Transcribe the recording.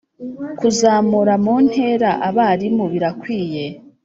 kuzamura mu ntera abarimu birakwiye